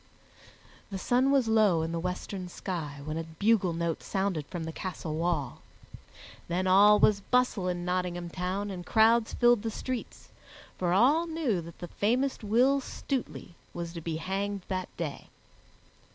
The sun was low in the western sky when a bugle note sounded from the castle wall. Then all was bustle in Nottingham Town and crowds filled the streets, for all knew that the famous Will Stutely was to be hanged that day.